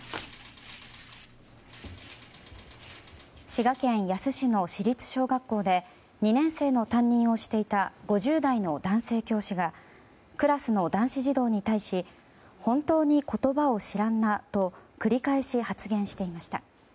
滋賀県野洲市の市立小学校で２年生の担任をしていた５０代の男性教師がクラスの男子児童に対し本当に言葉を知らんなと繰り返し発言していました。